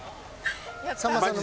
さんまさんの。